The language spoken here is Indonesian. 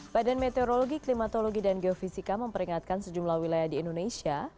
badan meteorologi klimatologi dan geofisika memperingatkan sejumlah wilayah di indonesia